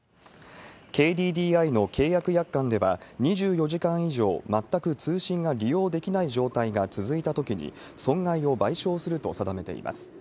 ＫＤＤＩの契約約款では、２４時間以上全く通信が利用できない状態が続いたときに、損害を賠償すると定めています。